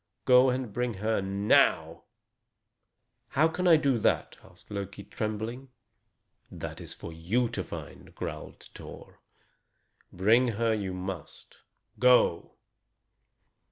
"Go and bring her now." "How can I do that?" asked Loki, trembling. "That is for you to find," growled Thor. "Bring her you must. Go!"